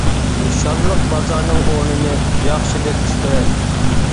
نىشانلىق بازارنىڭ ئورنىنى ياخشى بېكىتىش كېرەك.